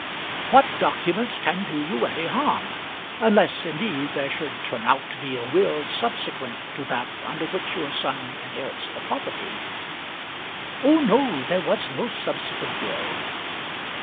"What documents can do you any harm; unless, indeed, there should turn out to be a will subsequent to that under which your son inherits the property?" "Oh, no; there was no subsequent will."